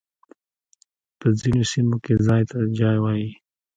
په ځينو سيمو کي ځای ته جای وايي.